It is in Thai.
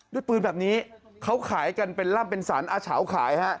ด้วยปืนแบบนี้เขาขายกันเป็นล่ำเป็นสรรอาเฉาขายฮะ